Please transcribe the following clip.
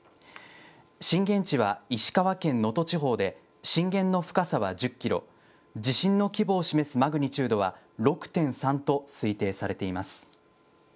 震源地は石川県能登地方で、震源の深さは１０キロ、地震の規模を示すマグニチュードは６．３と推定されています。